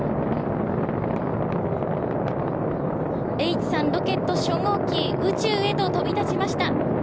Ｈ３ロケット初号機、宇宙へと飛び立ちました。